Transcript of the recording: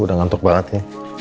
udah ngantuk banget ya